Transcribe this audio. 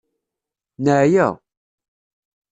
Neɛya.